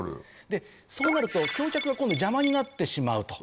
そうなると橋脚が今度邪魔になってしまうと。